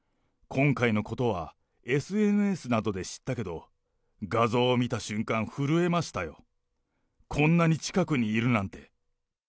今回のことはＳＮＳなどで知ったけど、画像を見た瞬間、震えましたよ、こんなに近くにいるなんて。